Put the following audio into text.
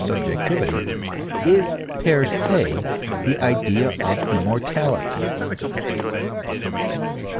subjectivity, is per se the idea of immortality.